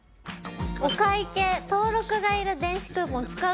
お会計登録がいる電子クーポン使う？